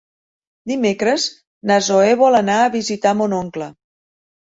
Dimecres na Zoè vol anar a visitar mon oncle.